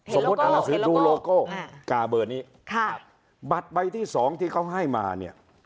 อ่านหนังสือดูโลโก้กาเบอร์นี้ค่ะบัตรใบที่สองที่เขาให้มาเนี่ย